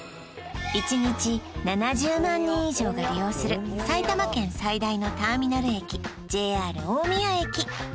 １日７０万人以上が利用する埼玉県最大のターミナル駅ＪＲ大宮駅